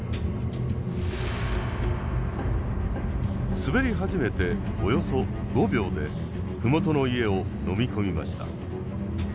滑り始めておよそ５秒で麓の家をのみ込みました。